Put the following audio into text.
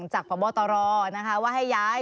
จากพบตรนะคะว่าให้ย้าย